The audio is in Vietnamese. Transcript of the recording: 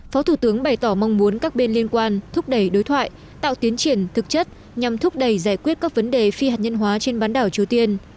phó thủ tướng bày tỏ mong muốn các bên liên quan thúc đẩy đối thoại tạo tiến triển thực chất nhằm thúc đẩy giải quyết các vấn đề phi hạt nhân hóa trên bán đảo triều tiên